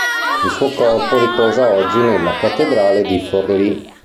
Il suo corpo riposa oggi nella Cattedrale di Forlì.